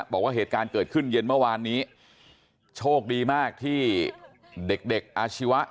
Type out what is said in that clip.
บอกว่าเหตุการณ์เกิดขึ้นเย็นเมื่อวานนี้โชคดีมากที่เด็กเด็กอาชีวะ